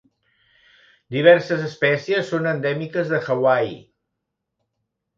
Diverses espècies són endèmiques de Hawaii.